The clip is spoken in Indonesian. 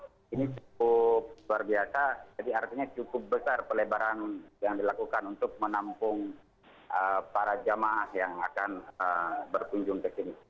ini cukup luar biasa jadi artinya cukup besar pelebaran yang dilakukan untuk menampung para jamaah yang akan berkunjung ke sini